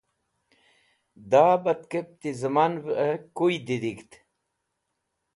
Da batkẽb ti zẽminẽ kuy didig̃hd.